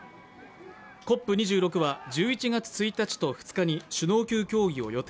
ＣＯＰ２６は１１月１日と２日に首脳級協議を予定。